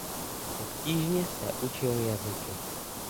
Obtížně se učil jazyky.